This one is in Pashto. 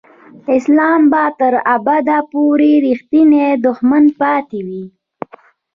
اسلام به تر ابده پورې رښتینی دښمن پاتې وي.